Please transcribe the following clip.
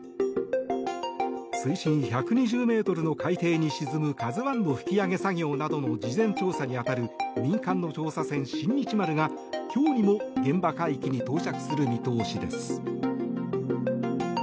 水深１２０ｍの海底に沈む「ＫＡＺＵ１」の引き揚げ作業などの事前調査に当たる民間の調査船「新日丸」が今日にも現場海域に到着する見通しです。